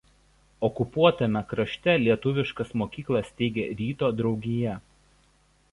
Okupuotame krašte lietuviškas mokyklas steigė „Ryto“ draugija.